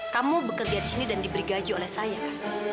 kamu bekerja di sini dan diberi gaji oleh saya kan